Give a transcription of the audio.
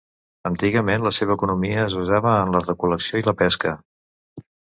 Antigament la seva economia es basava en la recol·lecció i la pesca.